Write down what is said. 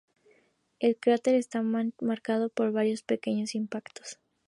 El cráter está marcado por varios pequeños impactos.